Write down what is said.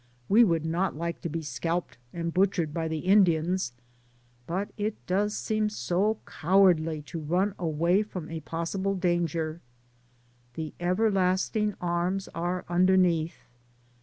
We would not like to be scalped and butchered by the Indians, but it does seem so cowardly to run away from a possi ble danger. 'The everlasting arms are un derneath."